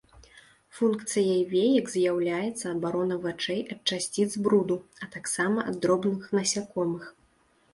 Функцыяй веек з'яўляецца абарона вачэй ад часціц бруду, а таксама ад дробных насякомых.